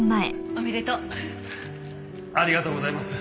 ありがとうございます。